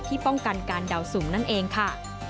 ป้องกันการเดาสูงนั่นเองค่ะ